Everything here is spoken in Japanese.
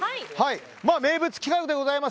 名物企画でございます。